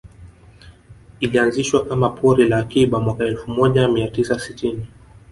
Ilianzishwa kama pori la akiba mwaka elfu moja mia tisa sitini